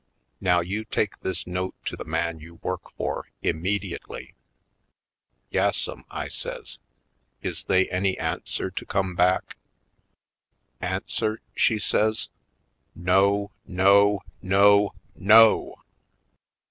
Now you take this note to the man you work for, immediately!" "Yassum," I says; "is they any answer to come back?" "Answer?" she says, "No — no — no — NO!"